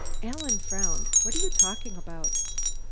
Alan frowned. "What are you talking about?"